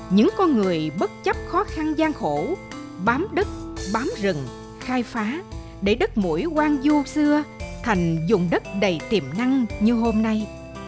những con người bất chấp khó khăn gian khổ bám đất bám rừng khai phá để đất mũi quang du xưa thành dùng đất đầy tiềm năng như hôm nay